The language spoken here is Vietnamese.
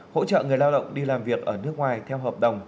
hỗ trợ người lao động đi làm việc ở nước ngoài theo hợp đồng